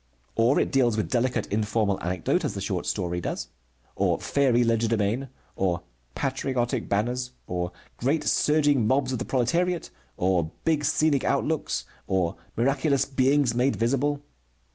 Or it deals with delicate informal anecdote as the short story does, or fairy legerdemain, or patriotic banners, or great surging mobs of the proletariat, or big scenic outlooks, or miraculous beings made visible.